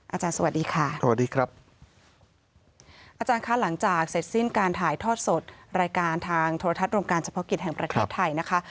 อาจารย์สวัสดีค่ะสวัสดีครับอาจารย์คะหลังจากเสร็จสิ้นการถ่ายทอดสดรายการทางโทรทัศน์โรงการเฉพาะกิจแห่งประเทศไทยนะคะ